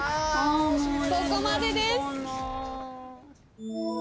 そこまでです。